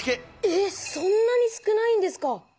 えっそんなに少ないんですか！